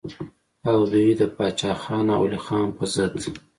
او دوي د باچا خان او ولي خان پۀ ضد